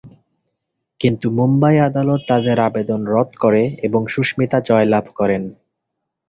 কিন্তু মুম্বাই আদালত তাদের আবেদন রদ করে এবং সুস্মিতা জয়লাভ করেন।